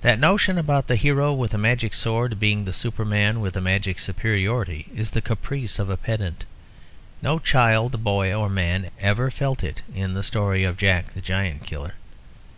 That notion about the hero with a magic sword being the superman with a magic superiority is the caprice of a pedant; no child, boy, or man ever felt it in the story of Jack the Giant Killer.